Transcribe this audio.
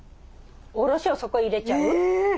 おろしをそこ入れちゃう？え！